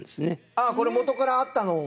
ああこれ元からあったのを。